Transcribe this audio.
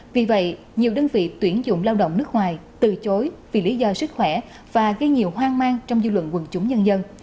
vì vậy nhiều đơn vị tuyển dụng lao động nước ngoài từ chối vì lý do sức khỏe và gây nhiều hoang mang trong dư luận quần chúng nhân dân